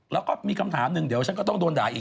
แล้วก็มีคำถามหนึ่งเดี๋ยวฉันก็ต้องโดนด่าอีก